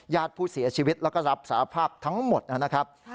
ญาติผู้เสียชีวิตแล้วก็รับสาภาพทั้งหมดนะครับ